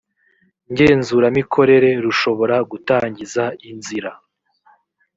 ngenzuramikorere rushobora gutangiza inzira